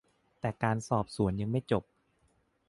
แต่การสอบสวนยังไม่จบ